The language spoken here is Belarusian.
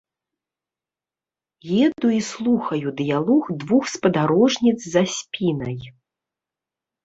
Еду і слухаю дыялог двух спадарожніц за спінай.